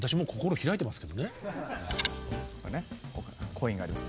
コインがあります